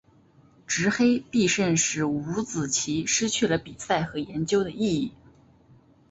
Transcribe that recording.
执黑必胜使五子棋失去了比赛和研究的意义。